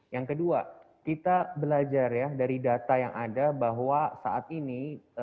yang kedua kita belajar ya dari data yang ada bahwa saat ini